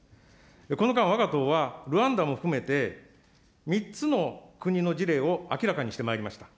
この間、わが党はルワンダも含めて、３つの国の事例を明らかにしてまいりました。